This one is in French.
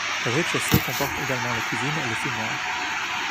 Le rez-de chaussée comporte également les cuisines et le fumoir.